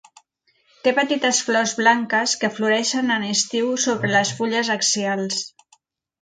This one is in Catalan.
Té petites flors blanques que floreixen en estiu sobre les fulles axials.